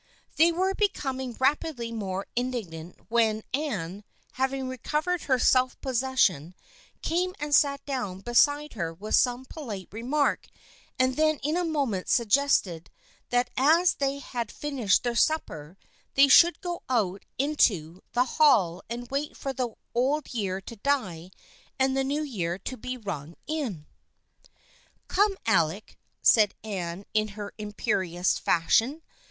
She was becoming rapidly more indignant when Anne, having recovered her self possession, came and sat down beside her with some polite remark, and then in a moment suggested that as they had finished their supper they should go out into the hall and wait for the old year to die and the New Year to be rung in. THE FRIENDSHIP OF ANNE 209 " Come, Alec/' said Anne in her imperious fashion.